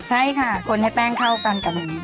ใช่ค่ะคนให้แป้งเข้ากันกับ